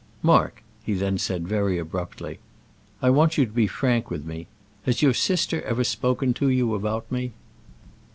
Mark," he then said, very abruptly, "I want you to be frank with me. Has your sister ever spoken to you about me?"